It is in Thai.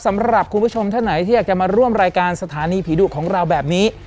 สำหรับคุณผู้ชมท่านไหนที่อยากจะมาร่วมรายการสถานีผีดุของเราแบบนี้